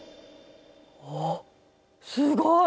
おっすごい！